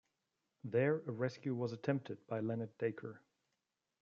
There a rescue was attempted by Leonard Dacre.